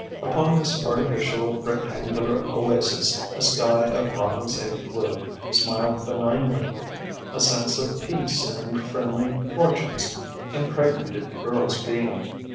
Upon this artificial, rectangular oasis a sky of robin's egg blue smiled benignly. A sense of peace and friendly fortunes impregnated the girl's being.